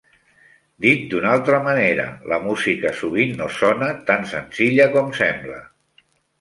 Dit d'una altra manera, la música sovint no sona tan senzilla com sembla.